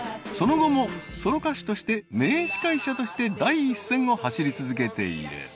［その後もソロ歌手として名司会者として第一線を走り続けている］